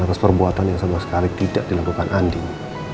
atas perbuatan yang sama sekali tidak dilakukan andi